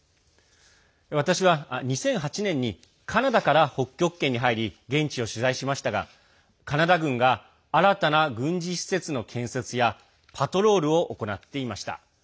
私は２００８年にカナダから北極圏に入り現地を取材しましたがカナダ軍が新たな軍事施設の建設やパトロールを行っていました。